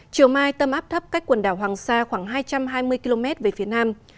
chiều mai tâm áp thấp cách quần đảo hoàng sa khoảng hai trăm hai mươi km về phía nam